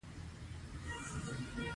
زموږ پکتیکاوالو لهجه ډېره خوژه ده.